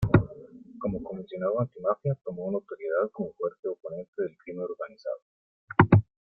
Como comisionado anti-Mafia, tomó notoriedad como fuerte oponente del crimen organizado.